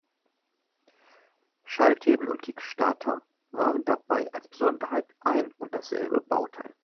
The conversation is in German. Schalthebel und Kickstarter waren dabei als Besonderheit ein- und dasselbe Bauteil.